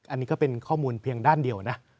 อันนี้ก็เป็นข้อมูลเพียงด้านเดียวนะ